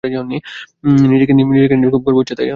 নিজেকে নিয়ে খুব গর্ব হচ্ছে, তাই না?